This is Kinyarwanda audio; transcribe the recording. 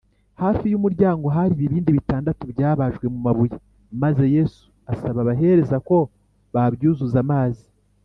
Hafi y’umuryango hari ibibindi bitandatu byabajwe mu mabuye, maze Yesu asaba abahereza ko babyuzuza amazi